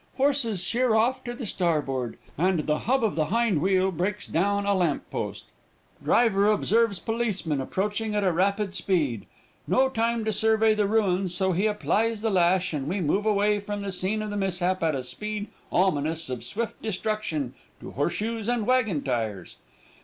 Horses sheer off to the starboard, and the hub of the hind wheel breaks down a lamp post. Driver observes policeman approaching at a rapid speed. No time to survey the ruins, so he applies the lash, and we move away from the scene of the mishap at a speed ominous of swift destruction to horse shoes and wagon tires.